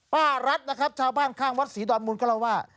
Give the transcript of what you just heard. รัฐนะครับชาวบ้านข้างวัดศรีดอนมูลก็เล่าว่า